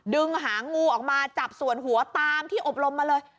หางูออกมาจับส่วนหัวตามที่อบรมมาเลย